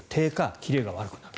切れが悪くなる。